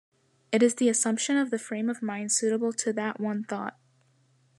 It is the assumption of the frame of mind suitable to that one thought.